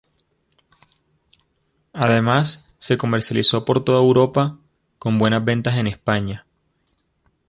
Además se comercializó por toda Europa, con buenas ventas en España.